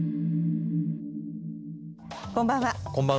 こんばんは。